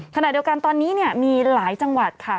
ขณะเดียวกันตอนนี้เนี่ยมีหลายจังหวัดค่ะ